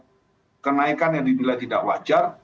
nah jika kemudian kenaikan yang dibilang tidak wajar